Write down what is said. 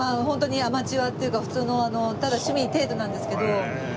ホントにアマチュアっていうか普通のただの趣味程度なんですけど。